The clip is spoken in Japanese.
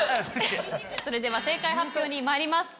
それでは正解発表にまいります。